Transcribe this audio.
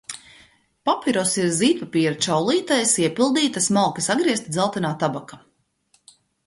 Papirosi ir zīdpapīra čaulītēs iepildīta smalki sagriezta dzeltenā tabaka.